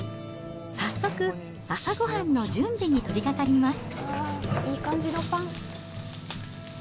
早速、朝ごはんの準備に取りかかります。